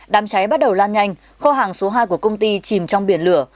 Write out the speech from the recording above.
đám cháy bắt đầu lan nhanh kho hàng số hai của công ty chìm trong biển lửa